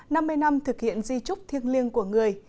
năm mươi năm thực hiện di trúc thiêng liêng của người